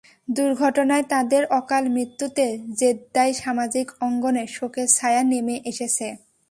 দুর্ঘটনায় তাদের অকাল মৃত্যুতে জেদ্দায় সামাজিক অঙ্গনে শোকের ছায়া নেমে এসেছে।